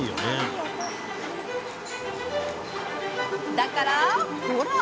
だから、ほらっ！